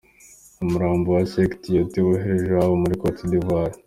Umurambo wa Cheick Tiote woherejwe iwabo muri Côte d'Ivoire.